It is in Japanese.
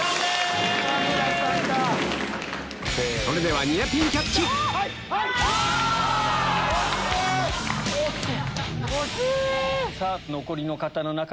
それではニアピンキャッチ惜しい！